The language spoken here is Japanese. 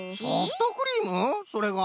それが？